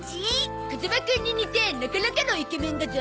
風間くんに似てなかなかのイケメンだゾ。